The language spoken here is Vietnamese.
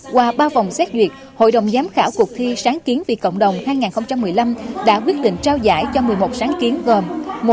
qua ba vòng xét duyệt hội đồng giám khảo cuộc thi sáng kiến vì cộng đồng hai nghìn một mươi năm đã quyết định trao giải cho một mươi một sáng kiến gồm